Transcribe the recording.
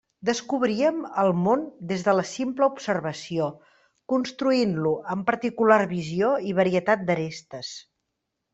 Descobríem el món des de la simple observació, construint-lo amb particular visió i varietat d'arestes.